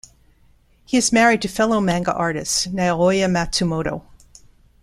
He is married to fellow manga artist, Naoya Matsumoto.